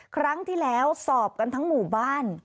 ครั้งที่แล้วสอบกันทั้งหมู่บ้าน